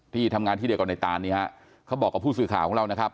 ที่ทำงานที่เดียวกับในตานนี่ฮะเขาบอกกับผู้สื่อข่าวของเรานะครับ